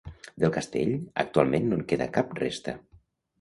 Del castell, actualment no en queda cap resta.